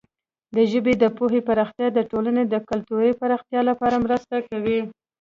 د ژبې د پوهې پراختیا د ټولنې د کلتوري پراختیا لپاره مرسته کوي.